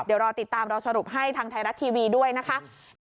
เดี๋ยวรอติดตามเราสรุปให้ทางไทยรัฐทีวีด้วยนะคะ